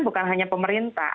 bukan hanya pemerintah